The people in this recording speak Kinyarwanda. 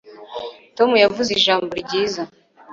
Tom yavuze ijambo ryiza